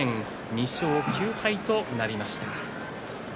２勝９敗となりました。